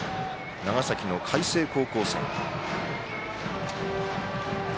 長崎の海星高校戦。